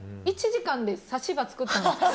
１時間でさし歯作ったんですか。